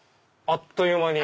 あっという間に。